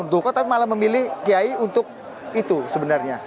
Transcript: tuh tapi malah memilih kiai untuk itu sebenarnya